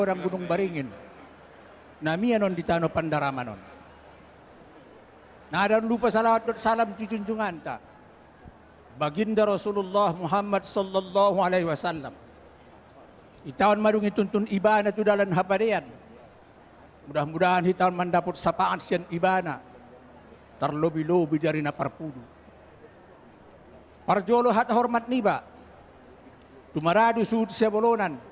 yang mendampingi ibu hanipa bapak paisal